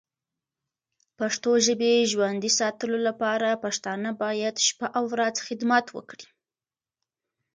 پښتو ژبی ژوندی ساتلو لپاره پښتانه باید شپه او ورځ خدمت وکړې.